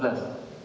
dari bawah tadi